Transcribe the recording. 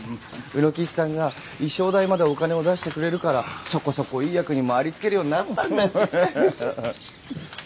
卯之吉さんが衣装代までお金を出してくれるからそこそこいい役にもありつけるようになったんだし！